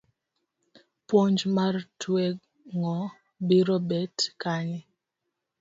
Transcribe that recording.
Puonj mar tweng'o biro bet kanye?